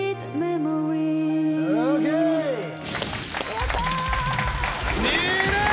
やった！